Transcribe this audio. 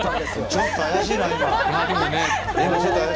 ちょっと怪しいな、今の。